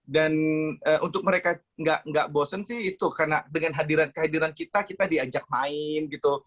dan untuk mereka nggak bosen sih itu karena dengan hadiran kehadiran kita kita diajak main gitu